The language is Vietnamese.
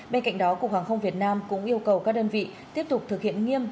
bên cạnh đó cục hàng không việt nam cũng yêu cầu các đơn vị tiếp tục thực hiện nghiêm